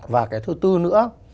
và cái thứ tư nữa